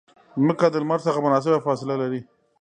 مځکه د لمر څخه مناسبه فاصله لري.